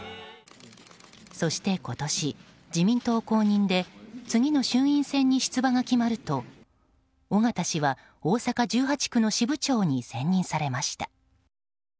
そして今年、自民党公認で次の衆院選に出馬が決まると尾形氏は大阪１８区の支部長に選任されました。